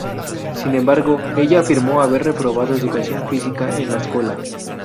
Sin embargo, ella afirmó haber reprobado educación física en la escuela.